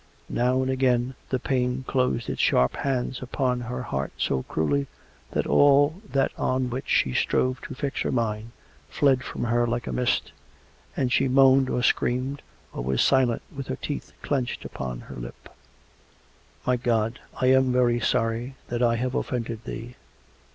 Now and again the pain closed its sharp hands upon her heart so cruelly that all that on which she strove to fix her mind, fled from her like a mist, and she moaned or screamed, or was silent with her teeth clenched upon her lip. " My God — I am very sorry — that I have offended Thee."